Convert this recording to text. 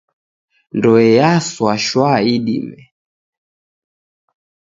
Ndoe yaswa shwaa idime.